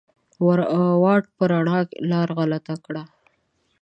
واټ په روڼا لار غلطه کړه